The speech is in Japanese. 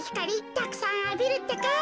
たくさんあびるってか。